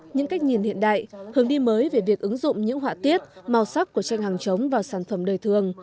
những cách nhìn hiện đại hướng đi mới về việc ứng dụng những họa tiết màu sắc của tranh hàng chống vào sản phẩm đời thường